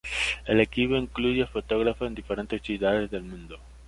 El equipo incluye fotógrafos en diferentes ciudades del mundo.